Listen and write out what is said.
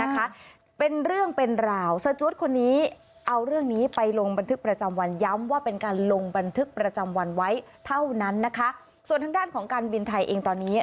ทึกประจำวันไว้เท่านั้นนะคะส่วนทางด้านของการบินไทยเองตอนนี้